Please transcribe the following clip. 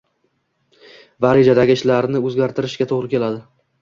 va rejadagi ishlarni o‘zgartirishga to‘g‘ri keladi.